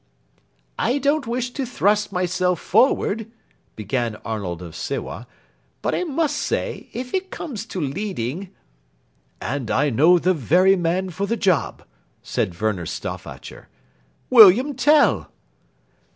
"I don't wish to thrust myself forward," began Arnold of Sewa, "but I must say, if it comes to leading " "And I know the very man for the job," said Werner Stauffacher. "William Tell!"